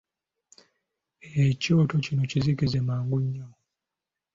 Ekyoto kino kizikira mangu nnyo.